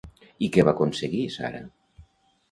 I què va aconseguir, Sara?